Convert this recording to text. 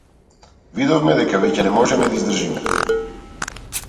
Видовме дека веќе не можеме да издржиме.